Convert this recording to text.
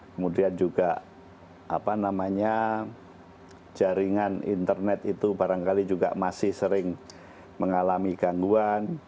kemudian juga jaringan internet itu barangkali juga masih sering mengalami gangguan